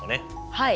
はい。